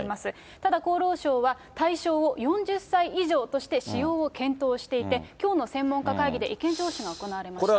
ただ、厚労省は、対象を４０歳以上として使用を検討していて、きょうの専門家会議で意見聴取が行われました。